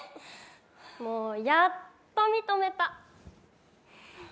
もう、やっと認めた。